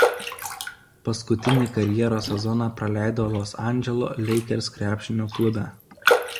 Paskutinį karjeros sezoną praleido Los Andželo „Lakers“ krepšinio klube.